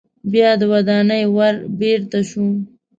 بیا د ودانۍ ور بیرته شو.